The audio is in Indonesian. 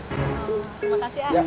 terima kasih a